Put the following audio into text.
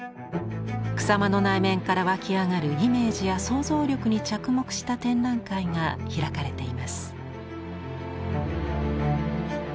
草間の内面から湧き上がるイメージや想像力に着目した展覧会が開かれています。